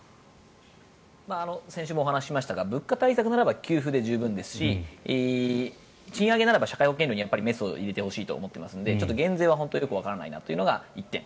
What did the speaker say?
先週もお話ししましたが物価対策ならば給付で十分ですし賃上げなら社会保険料にメスを入れてほしいと思っているので減税はよくわからないというのが１点。